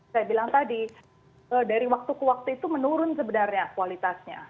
saya bilang tadi dari waktu ke waktu itu menurun sebenarnya kualitasnya